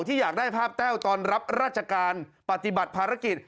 อยากได้ภาพแต้วตอนรับราชการปฏิบัติภารกิจ